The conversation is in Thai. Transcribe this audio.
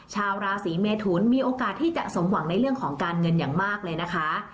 ชาวราศีเมทุนมีโอกาสที่จะสมหวังในเรื่องของการเงินอย่างมากเลยนะคะ